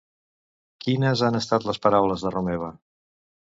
Quines han estat les paraules de Romeva?